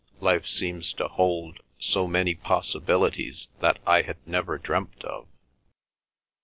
Life seems to hold so many possibilities that I had never dreamt of."